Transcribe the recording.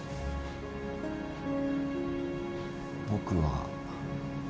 僕は。